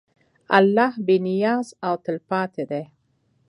الله بېنیاز او تلپاتې دی.